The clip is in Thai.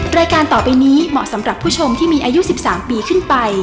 รายการต่อไปนี้เหมาะสำหรับผู้ชมที่มีอายุ๑๓ปีขึ้นไป